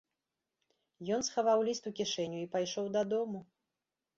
Ён схаваў ліст у кішэню і пайшоў дадому.